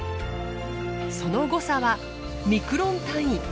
その誤差はミクロン単位。